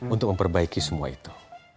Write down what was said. untuk memperbaiki semua itu